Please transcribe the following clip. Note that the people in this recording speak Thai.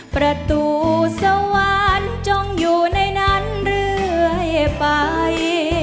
ประตูสวรรค์จงอยู่ในนั้นเรื่อยไป